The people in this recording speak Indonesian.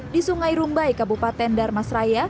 di sungai rumbai kabupaten darmasraya